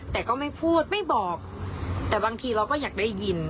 แต่ก็ไม่พูดไม่บอกแต่บางทีเราก็อยากได้ยิน